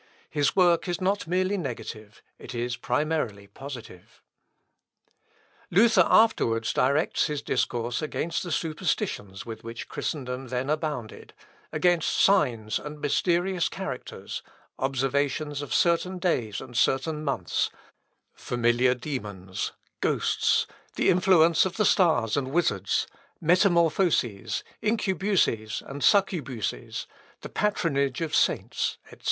His work is not negative merely it is primarily positive. Luther afterwards directs his discourse against the superstitions with which Christendom then abounded, against signs and mysterious characters, observations of certain days and certain months, familiar demons, ghosts, the influence of the stars and wizards, metamorphoses, incubuses and succubuses, the patronage of saints, etc.